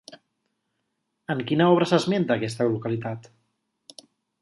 En quina obra s'esmenta aquesta localitat?